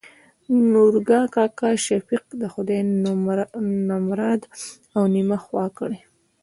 نورګا کاکا : شفيق د خداى نمراد او نيمه خوا کړي.